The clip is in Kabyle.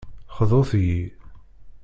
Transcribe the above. Xḍut-yi!